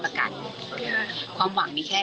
อยากให้สังคมรับรู้ด้วย